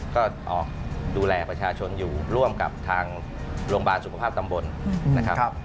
ก็ออกดูแลประชาชนอยู่ร่วมกับทางโรงพยาบาลสุขภาพตำบลนะครับ